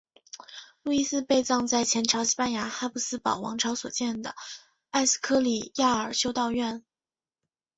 路易斯被葬在前朝西班牙哈布斯堡王朝所建的埃斯科里亚尔修道院。